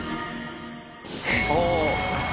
お。